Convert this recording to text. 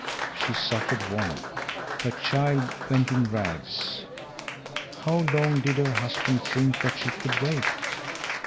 She suffered want. Her child went in rags. How long did her husband think that she could wait?